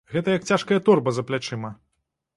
Гэта як цяжкая торба за плячыма!